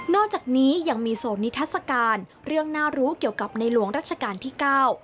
อกจากนี้ยังมีโซนนิทัศกาลเรื่องน่ารู้เกี่ยวกับในหลวงรัชกาลที่เก้า